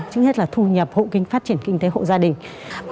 trước hết là thu nhập hộ kinh phát triển kinh tế hộ gia đình